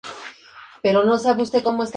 En ambos hay indicios.